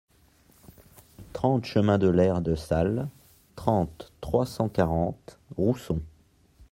trente chemin de l'Aire de Salle, trente, trois cent quarante, Rousson